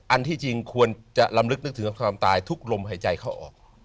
อันที่จริงควรจะลำลึกนึกถึงความตายทุกลมหายใจเข้าออก